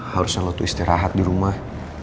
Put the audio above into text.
harusnya lo tuh istirahat di rumah